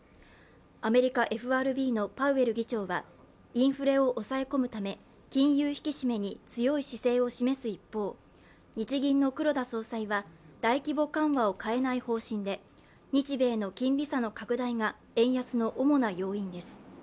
アメリカ・ＦＲＢのパウエル議長はインフレを抑え込むため、金融引き締めに強い姿勢を示す一方日銀の黒田総裁は、大規模緩和を変えない方針で日米の金利差の拡大が円安の主な要因です。